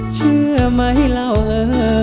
เชื่อไหมเราเออ